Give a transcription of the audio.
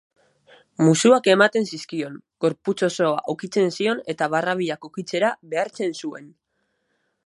Musuak ematen zizkion, gorputz osoa ukitzen zion eta barrabilak ukitzera behartzen zuen.